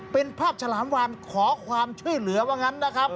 เป็นภาพฉลามวานขอความช่วยเหลือว่างั้นนะครับ